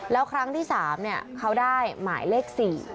แล้วครั้งที่๓เขาได้หมายเลข๔